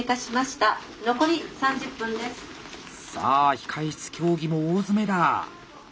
さあ控え室競技も大詰めだ！